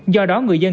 do đó người dân